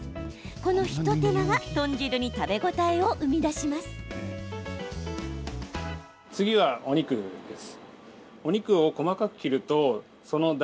この一手間が豚汁に食べ応えを生み出します。